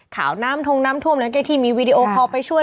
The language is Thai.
ข่าวน้ำทงน้ำท่วมหลังจากที่มีวีดีโอคอลไปช่วย